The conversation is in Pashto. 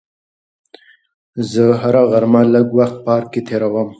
زه هره غرمه لږ وخت په پارک کې تېروم.